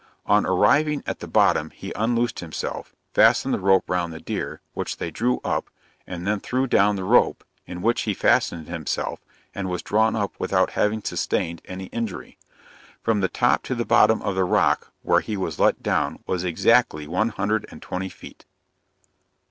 On arriving at the bottom he unloosed himself, fastened the rope round the deer, which they drew up, and then threw down the rope, in which he fastened himself, and was drawn up, without having sustained any injury. From the top to the bottom of the rock, where he was let down, was exactly one hundred and twenty feet.